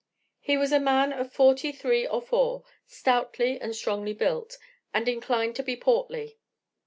He was a man of forty three or four, stoutly and strongly built, and inclined to be portly.